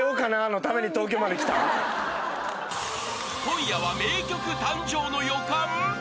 ［今夜は名曲誕生の予感？］